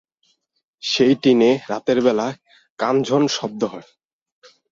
সেই টিনে রাতের বেলা কানঝন শব্দ হয়।